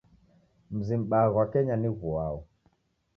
Mzi m'baa ghwa Kenya ni ghuao?